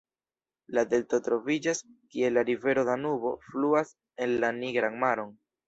La delto troviĝas, kie la rivero Danubo fluas en la Nigran maron.